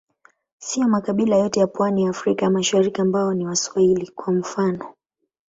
Siyo makabila yote ya pwani ya Afrika ya Mashariki ambao ni Waswahili, kwa mfano.